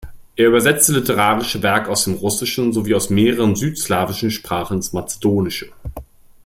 Er übersetzte literarische Werke aus dem Russischen sowie aus mehreren südslawischen Sprachen ins Mazedonische.